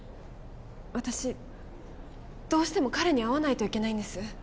私どうしても彼に会わないといけないんです